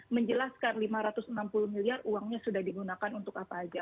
menjelaskan lima ratus enam puluh miliar uangnya sudah digunakan untuk apa aja